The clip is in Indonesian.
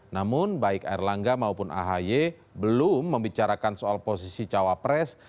namun baik erlangga maupun ahy belum membicarakan soal posisi cawapres